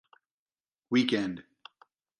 Weekend.